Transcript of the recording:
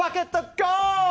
ゴー！